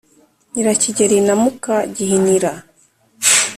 nyirakigeri na muka gihinira